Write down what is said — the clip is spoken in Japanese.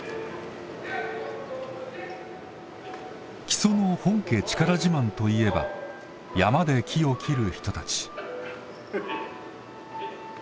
木曽の本家力自慢といえば山で木を切る人たち。